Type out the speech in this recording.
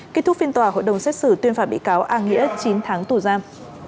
kết thúc phiên tòa hội đồng xét xử tuyên phạt bị cáo a nghĩa chín tháng tù giam